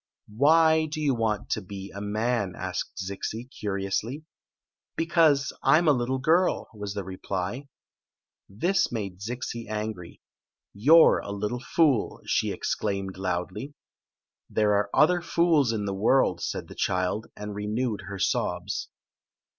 " Why do you want to be a man >" asked Zixi, curiously " Because I 'm a litde girl," was the reply. This made Zixi angry. ^ "You 're a litde fool!" she exclaimed loudly. 196 Queen Zixi of Ix ; or, the "There are other fools in the world," said the child, and renewed her sobs.